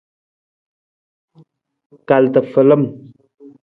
Kal tafalam.